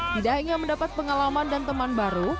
tidak hanya mendapat pengalaman dan teman baru